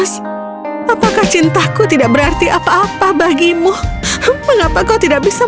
kapal sudah siap berlayar